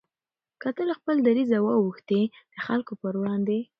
که ته له خپل دریځه واوښتې د خلکو پر وړاندې